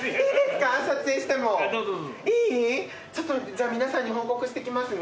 じゃあ皆さんに報告してきますね。